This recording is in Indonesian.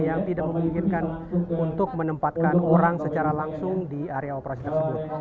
yang tidak memungkinkan untuk menempatkan orang secara langsung di area operasi tersebut